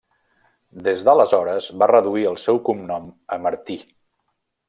Des d'aleshores va reduir el seu cognom a Martí.